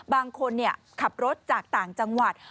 บางคนขับรถจากต่างจังหวัด